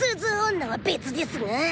女は別ですが！